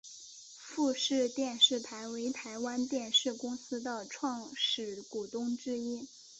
富士电视台为台湾电视公司的创始股东之一。